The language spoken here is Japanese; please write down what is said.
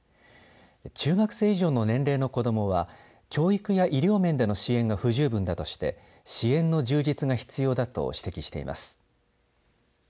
中学生以上の年齢の子どもは教育や医療面での支援が不十分だとして支援の充実が必要だと指摘しています。